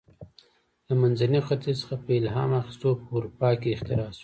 له منځني ختیځ څخه په الهام اخیستو په اروپا کې اختراع شوه.